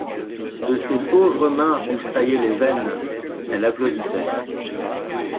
De ses pauvres mains où saillaient les veines, elle applaudissait.